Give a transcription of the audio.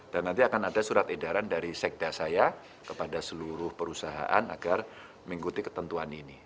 dan nanti akan ada surat edaran dari sekde saya kepada seluruh perusahaan agar mengikuti ketentuan ini